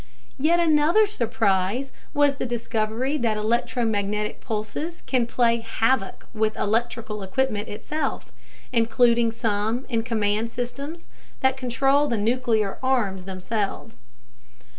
Yet another surprise was the discovery that electromagnetic pulses can play havoc with electrical equipment itself, including some in command systems that control the nuclear arms themselves.